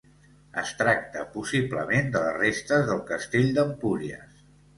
Es tracta, possiblement, de les restes del castell d'Empúries.